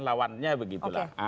lawannya begitu lah